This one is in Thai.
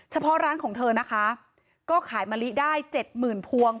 เฉพาะร้านของเธอนะคะก็ขายมะลิได้๗๐๐๐๐พวง